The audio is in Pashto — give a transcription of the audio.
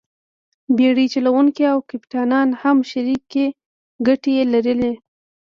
بېړۍ چلوونکي او کپټانان هم شریکې ګټې یې لرلې.